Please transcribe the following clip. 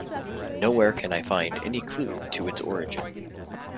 Nowhere can I find any clue to its origin.